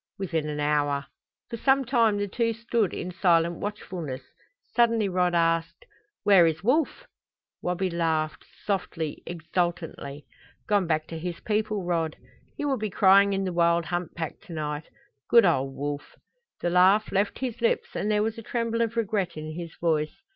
"Within an hour." For some time the two stood in silent watchfulness. Suddenly Rod asked: "Where is Wolf?" Wabi laughed, softly, exultantly. "Gone back to his people, Rod. He will be crying in the wild hunt pack to night. Good old Wolf!" The laugh left his lips and there was a tremble of regret in his voice.